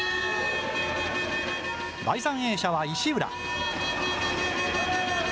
第３泳者は石浦。